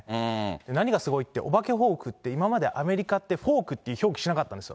何がすごいって、お化けフォークって、今までアメリカって、フォークって表記しなかったんです。